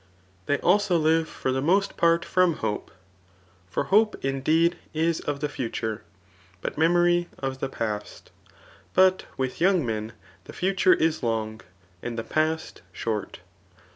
They also live ibr the most part from hope; for hope indeed is of , the future, but memory of the past; but with youiig nwn the future is long, and the past short.